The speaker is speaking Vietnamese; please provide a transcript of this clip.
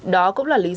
đó cũng là lợi ích